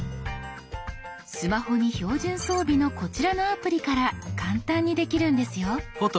スマホに標準装備のこちらのアプリから簡単にできるんですよ。